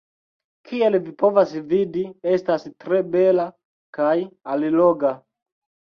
Kiel vi povas vidi, estas tre bela kaj alloga.